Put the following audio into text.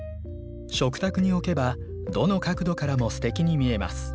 食卓に置けばどの角度からもすてきに見えます。